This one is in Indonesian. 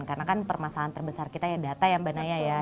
karena kan permasalahan terbesar kita ya data ya mbak naya ya